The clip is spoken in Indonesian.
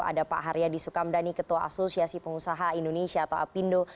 ada pak haryadi sukamdhani ketua asosiasi pengusaha indonesia atau apindo